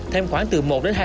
thêm khoảng từ một hai